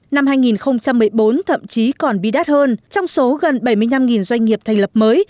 năm hai nghìn một mươi bốn thậm chí còn bí đắt hơn trong số gần bảy mươi năm doanh nghiệp thành lập mới